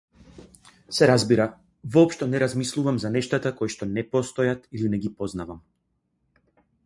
Се разбира, воопшто не размислувам за нештата коишто не постојат или не ги познавам.